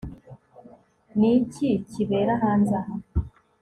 ni iki kibera hanze aha